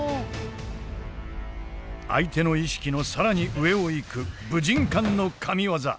相手の意識の更に上をいく武神館の神技。